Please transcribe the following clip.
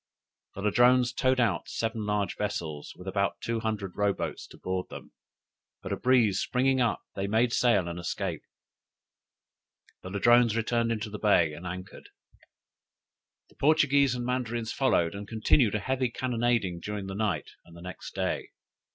The Ladrones towed out seven large vessels, with about two hundred row boats to board them: but a breeze springing up, they made sail and escaped. The Ladrones returned into the bay, and anchored. The Portuguese and Mandarins followed, and continued a heavy cannonading during that night and the next day.